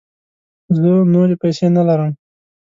زه نوری پیسې نه لرم